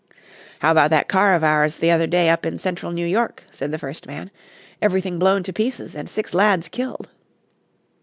"How about that car of ours the other day up in central New York?" said the first man. "Everything blown to pieces, and six lads killed."